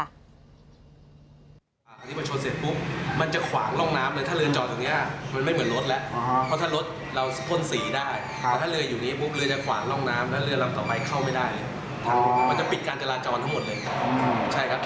อันนี้มันชนเสร็จปุ๊บมันจะขวางร่องน้ำเลยถ้าเรือนจอดตรงนี้มันไม่เหมือนรถแล้วเพราะถ้ารถเราพ่นสีได้ถ้าเรืออยู่นี้ปุ๊บเรือจะขวางร่องน้ำแล้วเรือลำต่อไปเข้าไม่ได้มันจะปิดการจราจรทั้งหมดเลยใช่ครับ